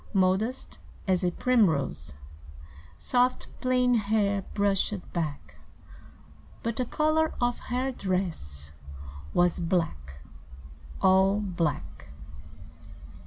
Modest as a primrose, Soft, plain hair brushed back, But the color of her dress was Black all black.